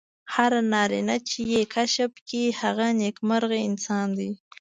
هر نارینه چې یې کشف کړي هغه نېکمرغه انسان دی.